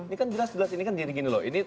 ini kan jelas jelas ini kan gini gini loh